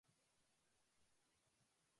新しい服を買ってもらいました